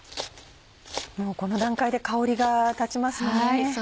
もうこの段階で香りが立ちますもんね。